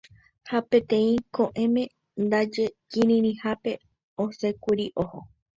ha peteĩ ko'ẽme ndaje kirirĩhapete osẽkuri oho.